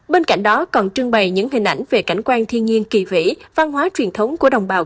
bên cạnh đó còn trưng bày những hình ảnh về cảnh quan thiên nhiên kỳ vĩ văn hóa truyền thống của đồng bào